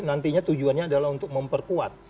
nantinya tujuannya adalah untuk memperkuat